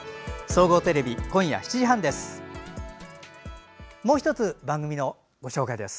総合テレビ今夜７時半です。